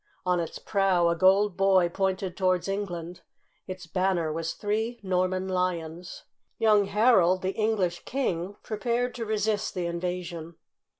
On its prow a gold boy pointed towards England. Its banner was three Norman lions. Young Harold, the English king, prepared to resist the invasion.